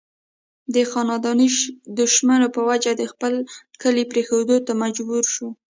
د خانداني دشمنو پۀ وجه د خپل کلي پريښودو ته مجبوره شو